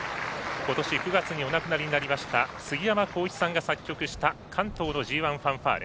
ことし９月にお亡くなりになりましたすぎやまさんが作曲した関東のＧＩファンファーレ。